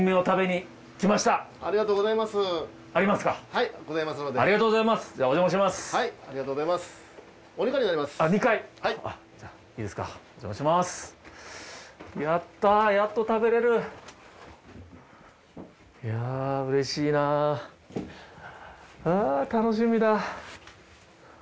楽しみだ。